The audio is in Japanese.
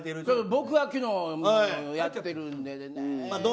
僕は昨日やってるんでね。